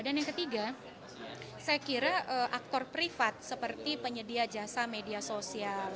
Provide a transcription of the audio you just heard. dan yang ketiga saya kira aktor privat seperti penyedia jasa media sosial